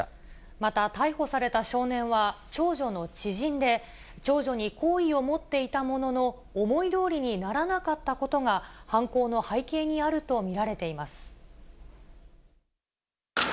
また逮捕された少年は、長女の知人で、長女に好意を持っていたものの、思いどおりにならなかったことが、犯行の背景にあると見られています。